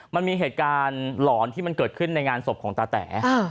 มันมีเหตุการณ์หลอนที่มันเกิดขึ้นในงานศพของตาแต๋